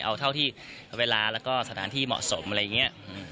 เอาเท่าที่เวลาแล้วก็สถานที่เหมาะสมอะไรอย่างนี้